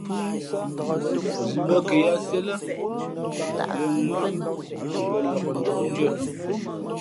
Zi bᾱ kαyǎt sīē lά, lα ŋάʼ pα nlak ndóʼndʉ̄ᾱ.